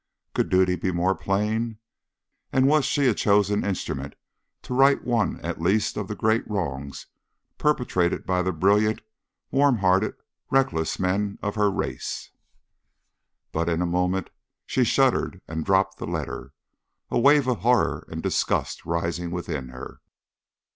Could duty be more plain? And was she a chosen instrument to right one at least of the great wrongs perpetrated by the brilliant, warm hearted, reckless men of her race? But in a moment she shuddered and dropped the letter, a wave of horror and disgust rising within her.